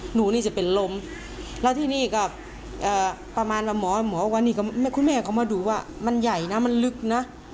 หนูนี่จะเป็นลมแล้วที่นี่ก็ประมาณว่าหมอคุณแม่ก็มาดูว่ามันใหญ่นะมันลึกนะ